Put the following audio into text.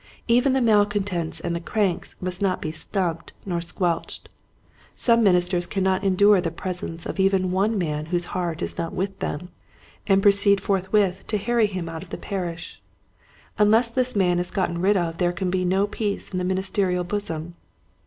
Even the malcontents and the cranks must not be snubbed or squelched. Some ministers cannot endure the presence of even one man whose heart is not with them, and proceed forthwith to harry him 6o Quiet Hints to Growing Preachers. out of the parish. Unless this man is got ten rid of there can be no peace in the ministerial bosom.